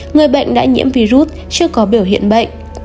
người bệnh đã nhiễm virus chưa có biểu hiện bệnh